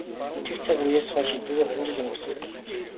Тэр цаг үеэс хойш эдүгээ хорин жил өнгөрсөн байлаа.